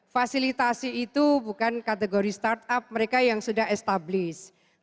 fasilitasi itu bukan kategori startup mereka yang sudah established